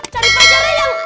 cari pacarnya yang